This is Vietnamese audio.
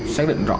xác định rõ